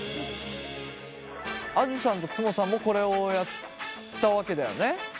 あづさんとつもさんもこれをやったわけだよね。